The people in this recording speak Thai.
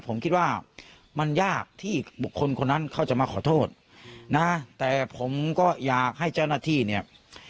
ผมคิดว่ามันยากที่บุคคลคนนั้นเขาจะมาขอโทษนะแต่ผมก็อยากให้เจ้าหน้าที่เนี่ย